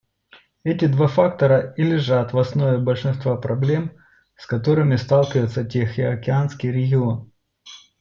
Эти два фактора и лежат в основе большинства проблем, с которыми сталкивается Тихоокеанский регион.